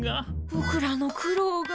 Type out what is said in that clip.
ぼくらの苦労が。